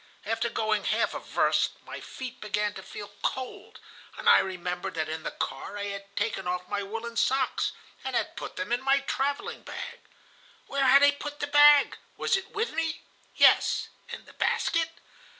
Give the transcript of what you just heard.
After going half a verst my feet began to feel cold, and I remembered that in the car I had taken off my woollen socks, and had put them in my travelling bag. Where had I put the bag? Was it with me? Yes, and the basket?